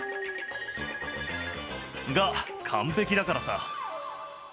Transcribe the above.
×××が完璧だからさ。